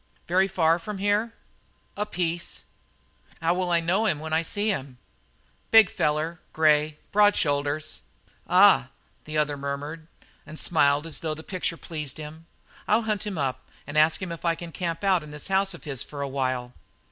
"Very far from here?" "Apiece." "How'll I know him when I see him?" "Big feller grey broad shoulders." "Ah!" murmured the other, and smiled as though the picture pleased him. "I'll hunt him up and ask him if I can camp out in this house of his for a while."